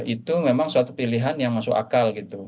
itu memang suatu pilihan yang masuk akal gitu